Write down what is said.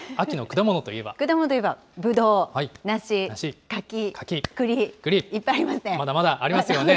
果物といえばぶどう、梨、柿、くり、いっぱいありますね。